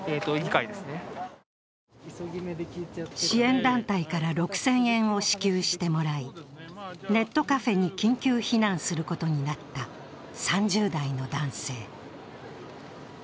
支援団体から６０００円を支給してもらい、ネットカフェに緊急避難することになった３０代の男性。